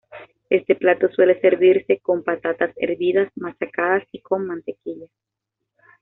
Este plato suele servirse con patatas hervidas machacadas y con mantequilla.